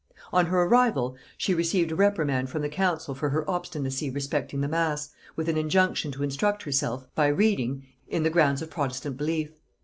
On her arrival she received a reprimand from the council for her obstinacy respecting the mass, with an injunction to instruct herself, by reading, in the grounds of protestant belief.